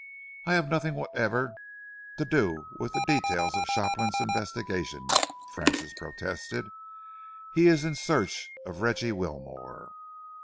"I have nothing whatever to do with the details of Shopland's investigations," Francis protested. "He is in search of Reggie Wilmore."